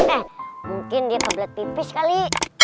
eh mungkin dia kebelet pipis kali